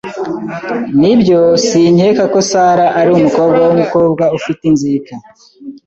Nibyo, sinkeka ko Sara ari umukobwa wumukobwa ufite inzika.